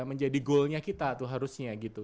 menjadi goalnya kita tuh harusnya gitu